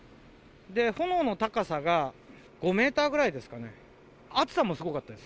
炎の高さが５メーターぐらいですかね、熱さもすごかったです。